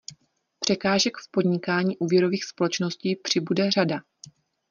Překážek v podnikání úvěrových společností přibude řada.